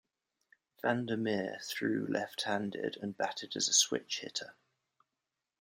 Vander Meer threw left-handed and batted as a switch hitter.